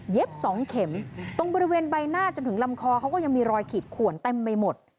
สองเข็มตรงบริเวณใบหน้าจนถึงลำคอเขาก็ยังมีรอยขีดขวนเต็มไปหมด